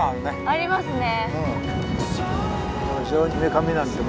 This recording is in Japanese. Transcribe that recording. ありますね。